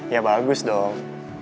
ya bagus dong